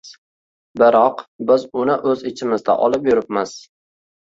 Biroq biz uni o‘z ichimizda olib yuribmiz